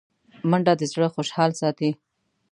منډه د زړه خوشحال ساتي